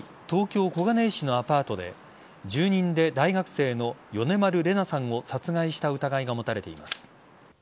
東京・小金井市のアパートで住人で大学生の米丸怜那さんを殺害した疑いが持たれています。